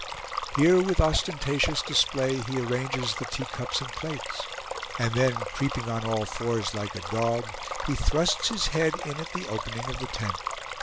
Here, with ostentatious display, he arranges the teacups and plates; and then, creeping on all fours like a dog, he thrusts his head in at the opening of the tent.